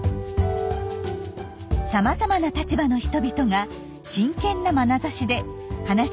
さまざまな立場の人々が真剣なまなざしで話に聞き入っています。